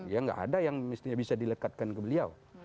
ya nggak ada yang mestinya bisa dilekatkan ke beliau